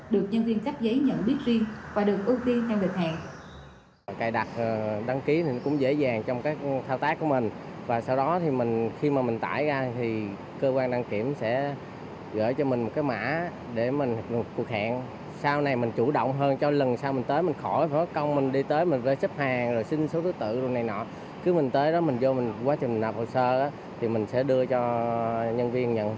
được nhân viên cắt giấy nhận biết riêng và được ưu tiên theo địch hàng